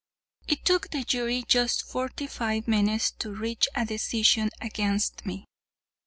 It took the jury just forty five minutes to reach a decision against me.